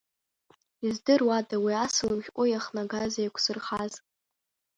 Издыруада уи асалам шәҟәы иахнагаз, еиқәзырхаз?